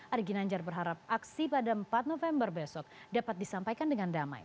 ari ginanjar berharap aksi pada empat november besok dapat disampaikan dengan damai